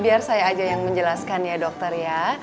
biar saya aja yang menjelaskan ya dokter ya